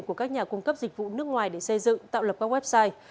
của các nhà cung cấp dịch vụ nước ngoài để xây dựng tạo lập các website